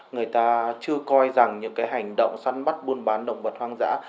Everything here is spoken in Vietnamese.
người ta chưa coi rằng những cái hành động săn bắt buôn bán động vật hoang dã